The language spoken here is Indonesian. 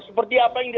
seperti apa yang dia